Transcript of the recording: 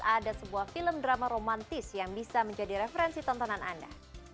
ada sebuah film drama romantis yang bisa menjadi referensi tontonan anda